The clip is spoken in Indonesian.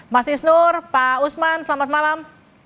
mas isnur pak usman selamat malam